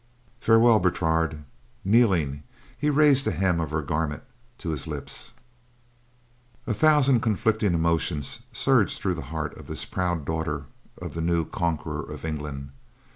"Farewell, Bertrade." Kneeling he raised the hem of her garment to his lips. A thousand conflicting emotions surged through the heart of this proud daughter of the new conqueror of England.